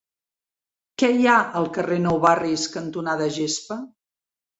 Què hi ha al carrer Nou Barris cantonada Gespa?